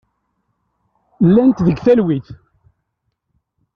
Llant deg talwit.